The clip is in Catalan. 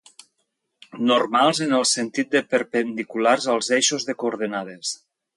Normals en el sentit de perpendiculars als eixos de coordenades.